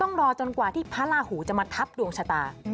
ต้องรอจนกว่าที่พระราหูจะมาทับดวงชะตา